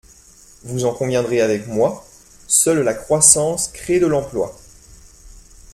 Vous en conviendrez avec moi : seule la croissance crée de l’emploi.